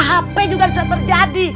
ahp juga bisa terjadi